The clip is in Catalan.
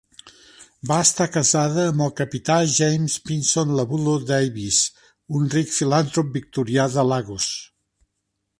Va estar casada amb el capità James Pinson Labulo Davies, un ric filantrop victorià de Lagos.